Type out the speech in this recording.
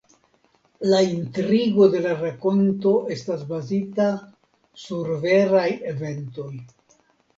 La intrigo de la rakonto estas bazita sur veraj eventoj.